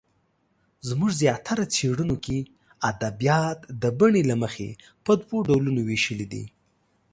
زموږ زیاتره څېړنو کې ادبیات د بڼې له مخې په دوو ډولونو وېشلې دي.